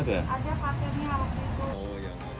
ada patennya waktu itu